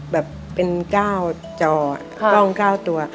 แบบเป็นก้าวจอกล้องก้าวตัว